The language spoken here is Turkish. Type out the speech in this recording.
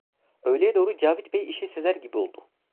Öğleye doğru Cavit Bey işi sezer gibi oldu.